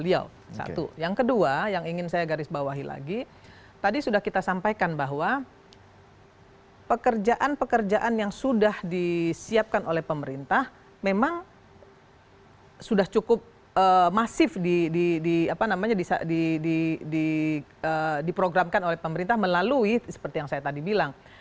yang kedua yang ingin saya garis bawahi lagi tadi sudah kita sampaikan bahwa pekerjaan pekerjaan yang sudah disiapkan oleh pemerintah memang sudah cukup masif diprogramkan oleh pemerintah melalui seperti yang saya tadi bilang